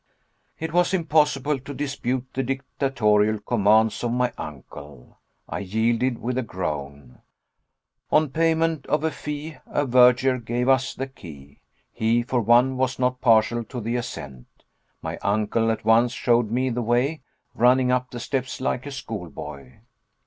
It was impossible to dispute the dictatorial commands of my uncle. I yielded with a groan. On payment of a fee, a verger gave us the key. He, for one, was not partial to the ascent. My uncle at once showed me the way, running up the steps like a schoolboy.